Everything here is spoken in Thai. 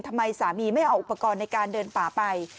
ทำไมสามีไม่เอาอุปกรณ์ในการเดินป่าไป